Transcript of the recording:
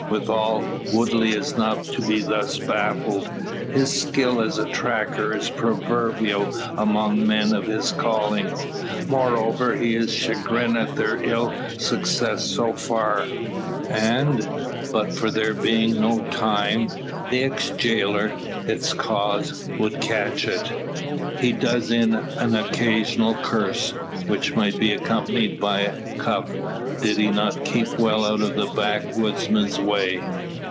Withal, Woodley is not to be thus baffled. His skill as a tracker is proverbial among men of his calling; moreover, he is chagrined at their ill success so far; and, but for there being no time, the ex jailer, its cause, would catch it. He does in an occasional curse, which might be accompanied by a cuff, did he not keep well out of the backwoodsman's way.